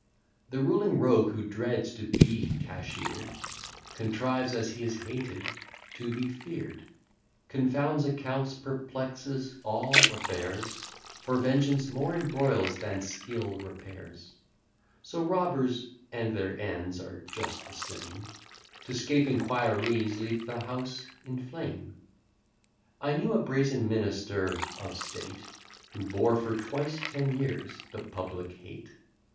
The ruling rogue, who dreads to be cashler'd, Contrives, as he is hated, to be fear'd; Confounds accounts, perplexes all affairs: For vengeance more embroils, than skill repairs. So robbers, (and their ends are just the same,) To 'scape inquiries, leave the house in flame. I knew a brazen minister of state, Who bore for twice ten years the public hate.